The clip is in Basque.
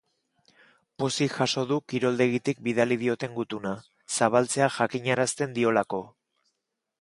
Pozik jaso du kiroldegitik bidali dioten gutuna, zabaltzea jakinarazten diolako.